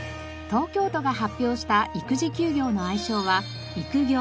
東京都が発表した育児休業の愛称は「育業」。